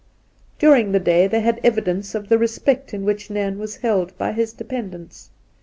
During the day they had evidence of the re spect in which Nairn was held by his dependents.